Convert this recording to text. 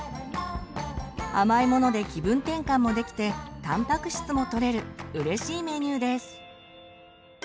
甘いもので気分転換もできてたんぱく質も取れるうれしいメニューです。